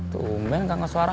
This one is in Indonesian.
kalo ada mau menit aku mohon